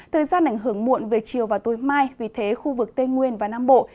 thời gian ảnh hưởng muộn về chiều và tối mai vì thế khu vực tây nguyên và nam bộ